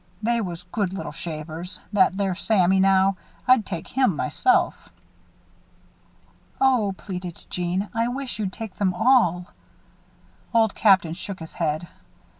They was good little shavers. That there Sammy, now. I'd take him, myself." "Oh," pleaded Jeanne, "I wish you'd take them all." Old Captain shook his head.